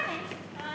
はい。